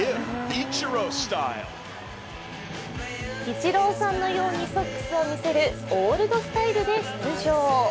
イチローさんのようにソックスを見せるオールドスタイルで出場。